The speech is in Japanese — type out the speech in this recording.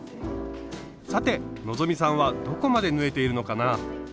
さて希さんはどこまで縫えているのかな？